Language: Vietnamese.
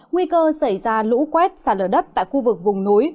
nguy cơ xảy ra lũ quét sạt lở đất tại khu vực vùng núi